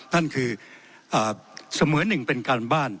นั่นคือเสมอหนึ่งเป็นการบ้าน